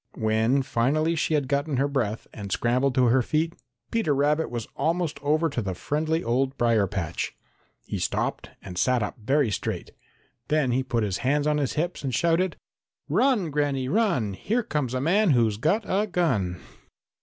When finally she had gotten her breath and scrambled to her feet, Peter Rabbit was almost over to the friendly old brier patch. He stopped and sat up very straight. Then he put his hands on his hips and shouted: "Run, Granny, run! Here comes a man who's got a gun!"